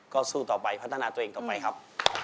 ก็สู้ต่อไปพัฒนาตัวเองต่อไปครับ